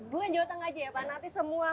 bukan jawa tengah aja ya pak nanti semua